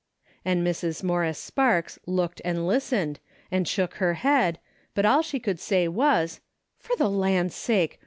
And Mrs. Morris Sparks looked and listened, and shook her head, but all she could say was, " For the land sake